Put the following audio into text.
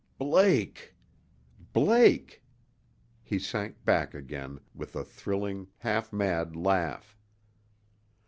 Blake Blake " He sank back again, with a thrilling, half mad laugh.